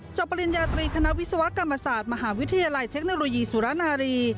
ปริญญาตรีคณะวิศวกรรมศาสตร์มหาวิทยาลัยเทคโนโลยีสุรนารี